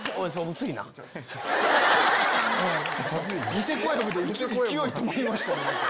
ニセ小籔で勢い止まりましたね。